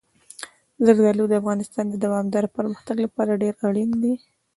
زردالو د افغانستان د دوامداره پرمختګ لپاره ډېر اړین دي.